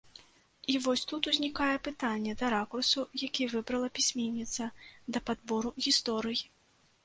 І вось тут узнікае пытанне да ракурсу, які выбрала пісьменніца, да падбору гісторый.